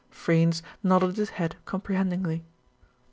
Freynes nodded his head comprehendingly.